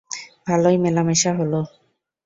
ভালোই মেলামেশা হল।